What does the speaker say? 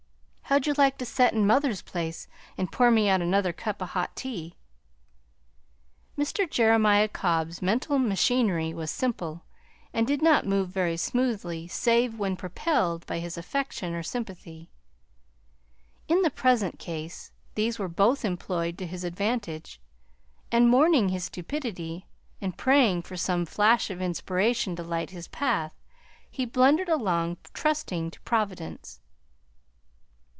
How'd you like to set in mother's place an' pour me out another cup o' hot tea?" Mr. Jeremiah Cobb's mental machinery was simple, and did not move very smoothly save when propelled by his affection or sympathy. In the present case these were both employed to his advantage, and mourning his stupidity and praying for some flash of inspiration to light his path, he blundered along, trusting to Providence.